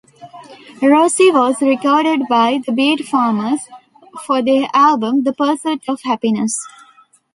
"Rosie" was recorded by The Beat Farmers for their album "The Pursuit of Happiness".